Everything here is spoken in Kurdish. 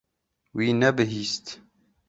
Wî nebihîst.